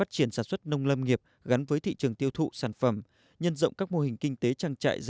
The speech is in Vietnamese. xin chào và hẹn gặp lại